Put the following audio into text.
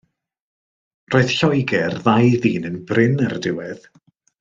Roedd Lloegr ddau ddyn yn brin ar y diwedd.